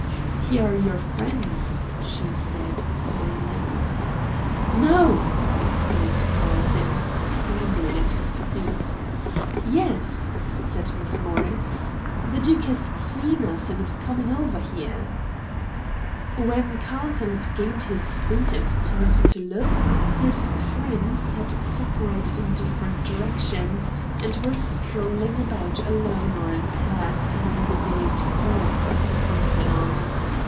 "Here are your friends," she said, smiling. "No!" exclaimed Carlton, scrambling to his feet. "Yes," said Miss Morris. "The Duke has seen us, and is coming over here." When Carlton had gained his feet and turned to look, his friends had separated in different directions, and were strolling about alone or in pairs among the great columns of the Parthenon.